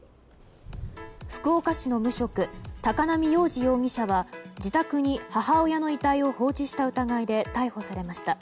福岡市の無職高浪洋二容疑者は自宅に母親の遺体を放置した疑いで逮捕されました。